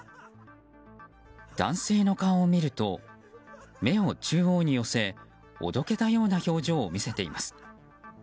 男性の顔を見ると目を中央に寄せおどけたような表情を見せています。